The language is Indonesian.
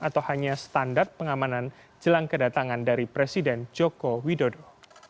atau hanya standar pengamanan jelang kedatangan dari presiden joko widodo